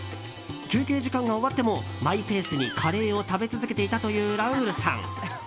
休憩時間が終わってもマイペースにカレーを食べ続けていたというラウールさん。